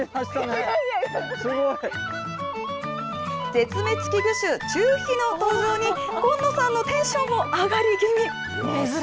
絶滅危惧種、チュウヒの登場に紺野さんのテンションも上がり気味。